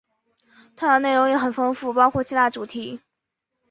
探讨内容也很丰富，包含七大主题